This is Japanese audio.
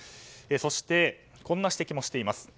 そしてこんな指摘もしています。